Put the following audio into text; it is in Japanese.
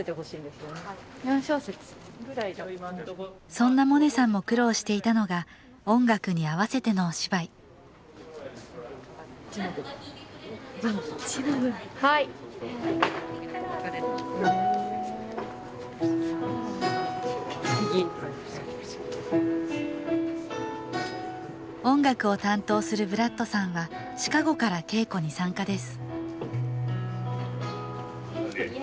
そんな萌音さんも苦労していたのが音楽に合わせてのお芝居音楽を担当するブラッドさんはシカゴから稽古に参加です